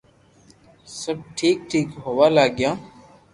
سب ٺيڪ ٺيڪ ھووا لاگيو